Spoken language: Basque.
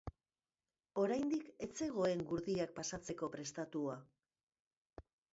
Oraindik ez zegoen gurdiak pasatzeko prestatua.